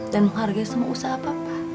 menghargai semua usaha papa